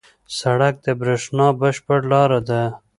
سرکټ د برېښنا بشپړ لاره ده.